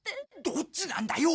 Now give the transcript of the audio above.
どっちなんだよ！